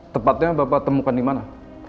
tepatnya bapak temukan dimana